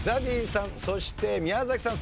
ＺＡＺＹさんそして宮崎さん